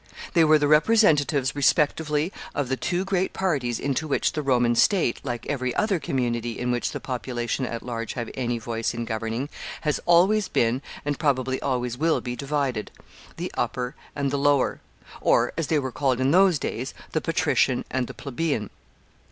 They were the representatives respectively of the two great parties into which the Roman state, like every other community in which the population at large have any voice in governing, always has been, and probably always will be divided, the upper and the lower; or, as they were called in those days, the patrician and the plebeian.